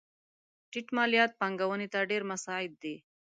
ټیټ مالیات پانګونې ته ډېر مساعد دي.